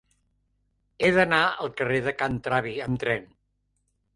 He d'anar al carrer de Can Travi amb tren.